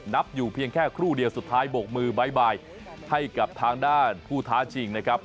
นับอยู่เพียงแค่ครู่เดียวสุดท้ายบกมือบ๊ายบายให้กับทางด้านผู้ท้าชิงนะครับ